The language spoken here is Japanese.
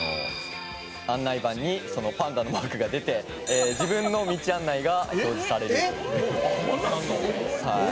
案内板にそのパンダのマークが出て自分の道案内が表示されると」どういう事？